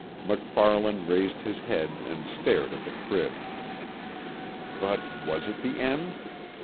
MacFarlane raised his head and stared at the crib. But, was it the end?